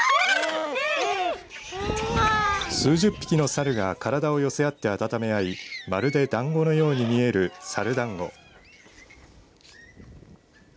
数十匹のサルが体を寄せ合ってあたためあいまるでだんごのように見えるサルだんご。